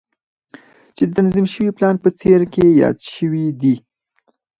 چې د تنظيم شوي پلان په څپرکي کې يادې شوې دي.